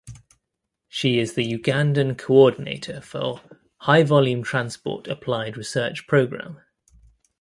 She is the Ugandan coordinator for "High Volume Transport Applied Research Programme".